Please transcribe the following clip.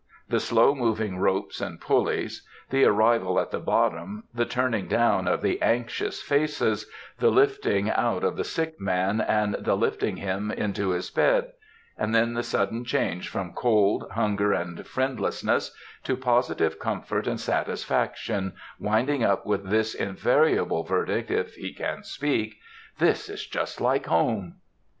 the slow moving ropes and pulleys, the arrival at the bottom, the turning down of the anxious faces, the lifting out of the sick man, and the lifting him into his bed;—and then the sudden change from cold, hunger, and friendlessness, to positive comfort and satisfaction, winding up with his invariable verdict,—if he can speak,—"This is just like home!"